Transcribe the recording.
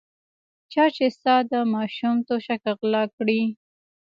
چا چې ستا د ماشوم توشکه غلا کړې.